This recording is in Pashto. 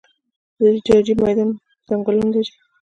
د جاجي میدان ځنګلونه لري